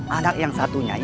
anak yang satunya